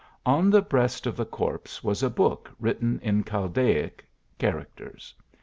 On the breast of the corpse was a book written in Chaldaic characters.